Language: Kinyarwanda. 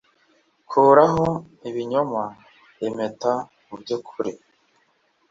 kuraho ibinyoma, impeta mubyukuri.